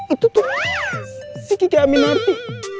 itu tuh si kiki aminarti